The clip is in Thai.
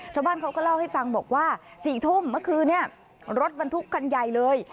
ชาวบ้านเขาก็เล่าให้ฟังบอกว่า๔ทุ่มเมื่อคืนนี้รถบรรทุกคันใหญ่เลย